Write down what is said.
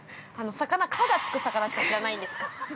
◆魚、「か」がつく魚しか知らないんですか？